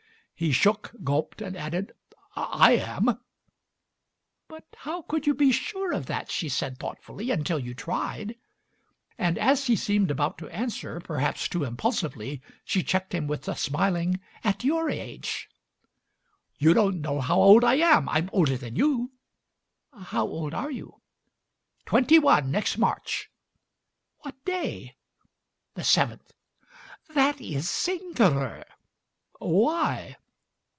He shook, gulped, and added: "I am!" "But how could you be sure of that," she said thoughtfully, "until you tried?" And as he seemed about to answer, perhaps too impulsively, she checked him with a smiling, "At your age!" "You don't know how old I am. I'm older than you!" "How old are you?" "Twenty one next March." "What day?" "The seventh." "That is singular!" "Why?"